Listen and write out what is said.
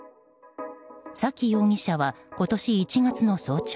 崎容疑者は今年１月の早朝